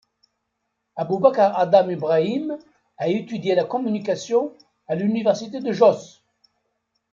Abubakar Adam Ibrahim a étudié la communication à l'université de Jos.